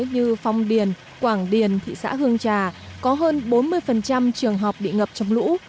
như phong điền quảng điền thị xã hương trà có hơn bốn mươi trường học bị ngập trong lũ